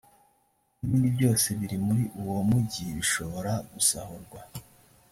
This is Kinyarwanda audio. n’ibindi byose biri muri uwo mugi bishobora gusahurwa,